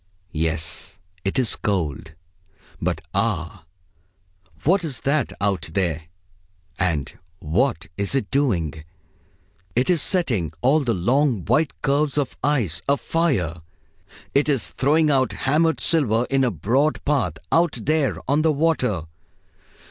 Yes, it is cold. But ah! what is that out there, and what is it doing? It is setting all the long white curves of ice afire. It is throwing down hammered silver in a broad path, out there on the water.